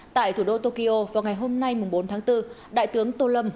tại thủ đô tokyo vào ngày hôm nay bốn tháng bốn đại tướng tô lâm